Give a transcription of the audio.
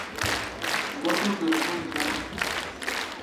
مہ توٹھ ٹلیفون تھوم۔